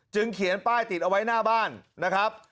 เขียนป้ายติดเอาไว้หน้าบ้านนะครับ